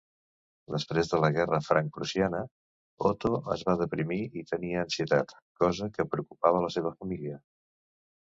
Després de la guerra franc-prussiana, Otto es va deprimir i tenia ansietat, cosa què preocupava la seva família.